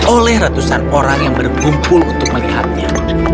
oleh ratusan orang yang berkumpul untuk melihatnya